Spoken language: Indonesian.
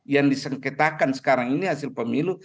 yang disengketakan sekarang ini hasil pemilu